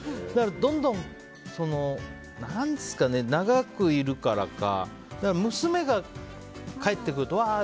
どんどん、長くいるからか娘が帰ってくると、わー！